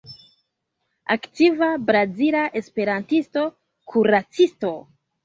Aktiva brazila esperantisto, kuracisto.